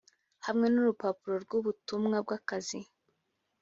hamwe n urupapuro rw ubutumwa bw akazi